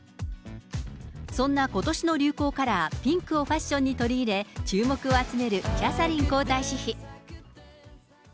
そんなことしの流行カラー、ピンクをファッションに取り入れ、注目を集めるキャサリン皇太子妃。